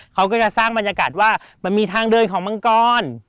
เขาก็จะสร้างบรรยากาศว่ามันมีทางเดินของมังกร